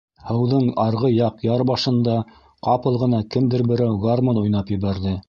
Һыуҙың арғы яҡ яр башында ҡапыл ғына кемдер берәү гармун уйнап ебәрҙе.